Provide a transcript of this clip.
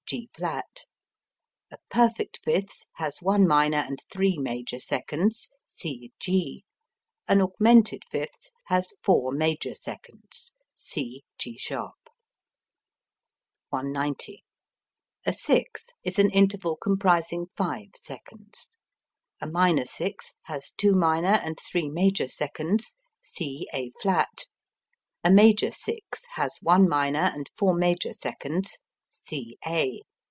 C G[flat]. A perfect fifth has one minor and three major seconds. C G. An augmented fifth has four major seconds. C G[sharp]. 190. A sixth is an interval comprising five seconds. A minor sixth has two minor and three major seconds. C A[flat]. A major sixth has one minor and four major seconds. C A.